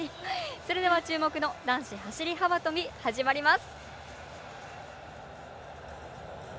それでは注目の男子走り幅跳び、始まります。